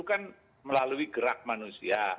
itu kan melalui gerak manusia